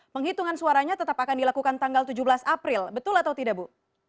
penghitungan suaranya tetap akan dilakukan tanggal tujuh belas april betul atau tidak bu